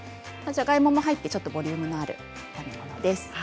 じゃがいもも入ってボリュームがある炒め物です。